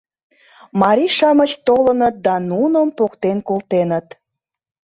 Марий-шамыч толыныт да нуным поктен колтеныт.